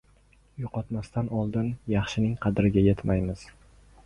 • Yo‘qotmasdan oldin yaxshining qadriga yetmaymiz.